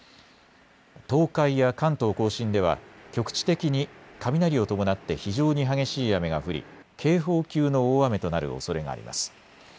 東海や関東甲信では局地的に雷を伴って非常に激しい雨が降り警報級の大雨となるおそれがあります。